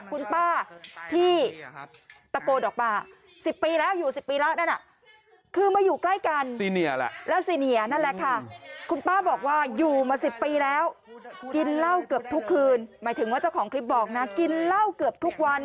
กินเหล้าเกือบทุกคืน